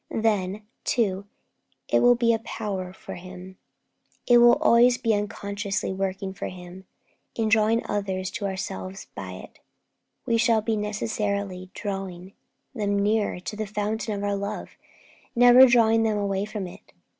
Then, too, it will be a power for Him. It will always be unconsciously working for Him. In drawing others to ourselves by it, we shall be necessarily drawing them nearer to the fountain of our love, never drawing them away from it.